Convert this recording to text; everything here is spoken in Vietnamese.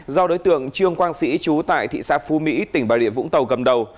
do đối tượng trương quang sĩ trú tại thị xã phú mỹ tỉnh bà địa vũng tàu cầm đầu